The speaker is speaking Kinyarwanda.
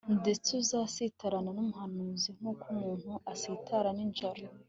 ndetse uzasitarana n umuhanuzi nk uko umuntu asitara nijoro